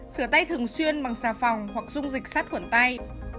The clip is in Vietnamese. sửa tay thường xuyên bằng xà phòng hoặc dung dịch sát khuẩn tay